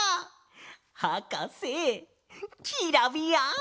はかせキラビヤン！